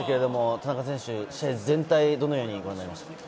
田中選手、どのようにご覧になりましたか？